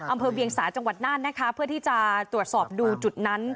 อำเภอเวียงสาจังหวัดน่านนะคะเพื่อที่จะตรวจสอบดูจุดนั้น